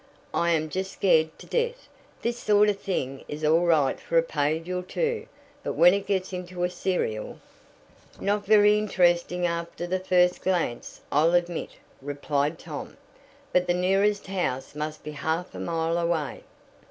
"I am just scared to death. This sort of thing is all right for a page or two, but when it gets into a serial " "Not very interesting after the first glance, I'll admit," replied Tom; "but the nearest house must be half a mile away."